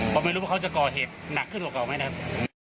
ผมไม่รู้ว่าเขาจะก่อเหตุหนักขึ้นหรือเปล่าไหมนะครับ